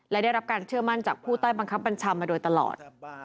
และได้รับการเชื่อมั่นจากผู้ใต้บังคับบัญชามาโดยตลอด